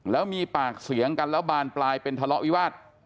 แล้วมีปากเสียงกันแล้วบานปลายเป็นทะเลาะวิวาส